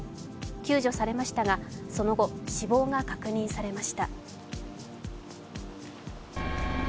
救助されましたがその後死亡が確認されました。